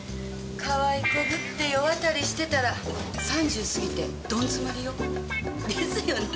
かわい子ぶって世渡りしてたら３０過ぎてドン詰まりよ。ですよね？